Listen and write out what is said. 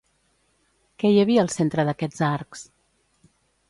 Què hi havia al centre d'aquests arcs?